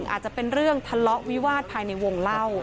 อาจจะเป็นเรื่องทะเลาะวิวาสภายในวงเล่า